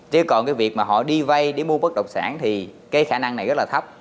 chứ còn cái việc mà họ đi vay để mua bất động sản thì cái khả năng này rất là thấp